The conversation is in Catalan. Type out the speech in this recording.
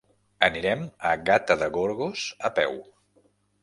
Anirem a Gata de Gorgos a peu.